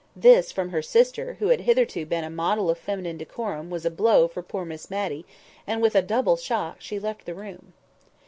This from her sister, who had hitherto been a model of feminine decorum, was a blow for poor Miss Matty, and with a double shock she left the room.